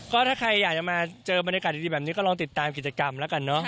ก็ถ้าใครอยากจะมาเจอบรรยากาศดีแบบนี้ก็ลองติดตามกิจกรรมแล้วกันเนอะ